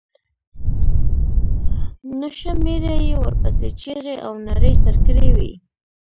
نشه مېړه یې ورپسې چيغې او نارې سر کړې وې.